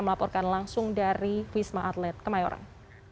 melaporkan langsung dari wisma atlet kemayoran